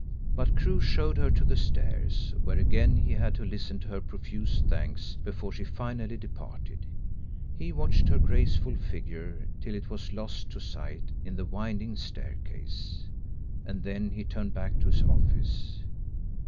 But Crewe showed her to the stairs, where again he had to listen to her profuse thanks before she finally departed. He watched her graceful figure till it was lost to sight in the winding staircase, and then he turned back to his office.